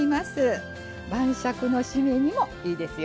晩酌のシメにもいいですよ。